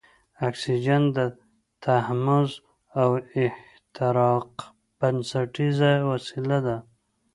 اکسیجن د تحمض او احتراق بنسټیزه وسیله ده.